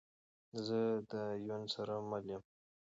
زه ده یون سره مل یم